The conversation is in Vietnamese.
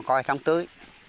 còn coi thấm tưới